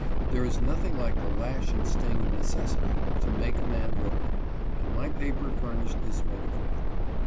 There is nothing like the lash and sting of necessity to make a man work, and my paper furnished this motive power.